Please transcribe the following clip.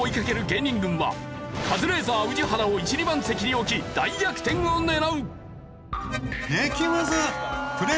芸人軍はカズレーザー宇治原を１２番席に置き大逆転を狙う！